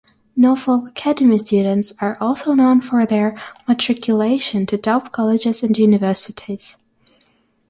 Norfolk Academy students are also known for their matriculation to top colleges and universities.